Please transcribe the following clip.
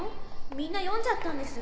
みんな読んじゃったんです